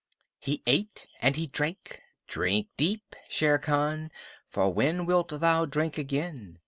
He ate and he drank. Drink deep, Shere Khan, for when wilt thou drink again?